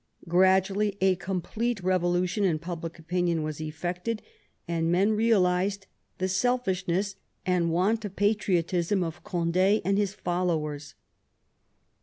Gradually a complete revolution in public opinion was effected, and men realised the selfishness and want of patriotism of Cond^ and his followers.